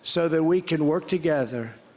supaya kita bisa bekerja bersama